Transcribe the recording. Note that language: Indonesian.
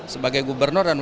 sebagai gubernur dan gubernur